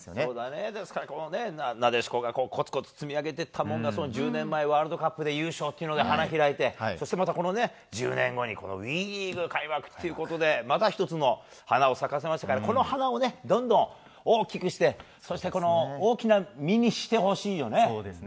ですから、なでしこがコツコツ積み上げてきたものが１０年前、ワールドカップ優勝というので花開いてそしてまた１０年後にＷＥリーグ開幕ということでまた１つの花を咲かせましたからこの花をどんどん大きくしてそして大きな実にしてほしいよね。